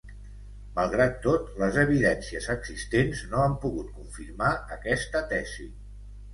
Malgrat tot, les evidències existents no han pogut confirmar aquesta tesi.